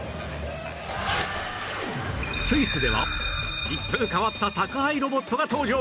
スイスでは一風変わった宅配ロボットが登場！